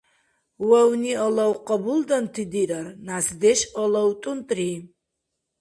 Вавни-алав къабулданти дирар, нясдеш-алав — тӀунтӀри.